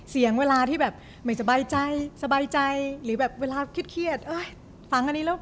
เวลาที่แบบไม่สบายใจสบายใจหรือแบบเวลาเครียดเอ้ยฟังอันนี้แล้ว